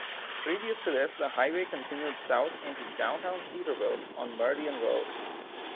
Previous to this, the highway continued south into downtown Cedarville on Merdian Road.